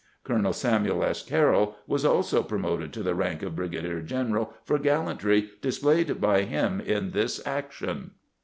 Colonel Samuel S. Carroll was also promoted to the rank of brigadier general for gallantry displayed by him in this action.